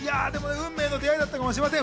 運命の出会いだったかもしれません。